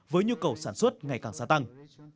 với nhu cầu sản xuất ngày càng xa tăng